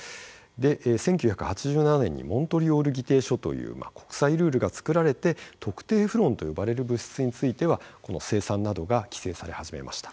１９８７年にモントリオール議定書という国際ルールが作られて特定フロンと呼ばれる物質については生産などが規制され始めました。